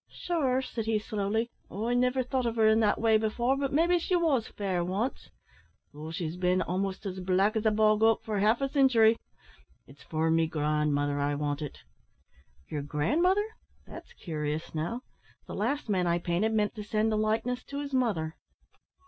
"Sure," said he, slowly, "I niver thought of her in that way before, but maybe she was fair wance, though she's been a'most as black as bog oak for half a cintury. It's for me grandmother I want it." "Your grandmother! that's curious, now; the last man I painted meant to send the likeness to his mother."